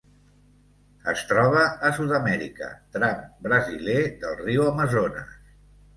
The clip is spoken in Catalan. Es troba a Sud-amèrica: tram brasiler del Riu Amazones.